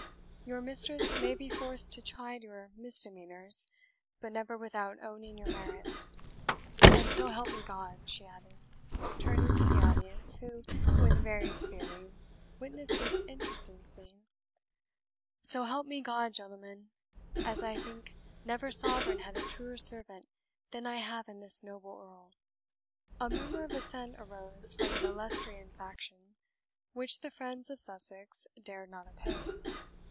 Your mistress may be forced to chide your misdemeanours, but never without owning your merits. And so help me God," she added, turning to the audience, who, with various feelings, witnessed this interesting scene "so help me God, gentlemen, as I think never sovereign had a truer servant than I have in this noble Earl!" A murmur of assent rose from the Leicestrian faction, which the friends of Sussex dared not oppose.